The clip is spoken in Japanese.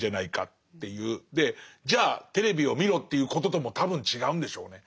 でじゃあテレビを見ろっていうこととも多分違うんでしょうね。